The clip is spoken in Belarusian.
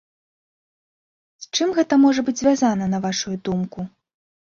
З чым гэта можа быць звязана, на вашую думку?